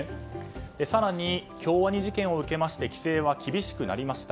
更に京アニ事件を受けまして規制は厳しくなりました。